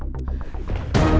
aku kaget matahari ini